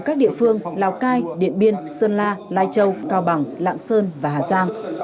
các địa phương lào cai điện biên sơn la lai châu cao bằng lạng sơn và hà giang